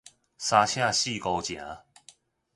三請四姑情